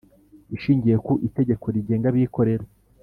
Ishingiye ku Itegeko rigenga abikorera.